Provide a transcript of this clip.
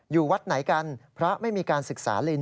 อยู่วัดไหนกันพระไม่มีการศึกษาลิน